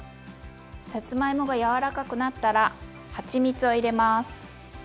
さつまいもが柔らかくなったらはちみつを入れます。